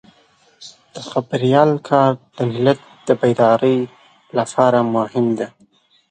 د خبریال کار د ملت د بیدارۍ لپاره مهم دی.